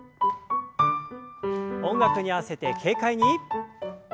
音楽に合わせて軽快に。